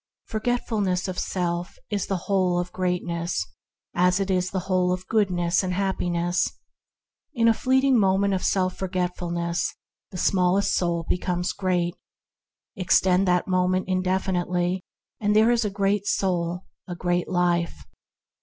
Forgetfulness of self is the whole of greatness, as it is the whole of goodness and happiness. In a*fleeting moment of self 148 THE HEAVENLY LIFE forgetfulness the smallest individuality be comes great; extend that moment indefinitely, and there is a great soul, a great life.